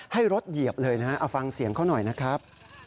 ให้รถเหยียบเลยนะฮะเอาฟังเสียงเขาหน่อยนะครับ